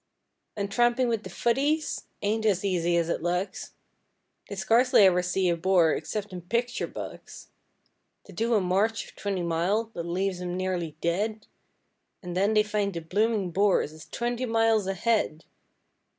And tramping with the Footies ain't as easy as it looks, They scarcely ever see a Boer except in picture books. They do a march of twenty mile that leaves 'em nearly dead, And then they find the bloomin' Boers is twenty miles ahead.